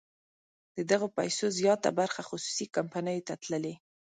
د دغه پیسو زیاته برخه خصوصي کمپنیو ته تللې.